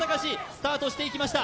スタートしていきました